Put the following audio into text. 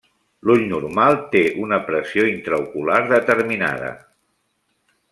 L'ull normal té una pressió intraocular determinada.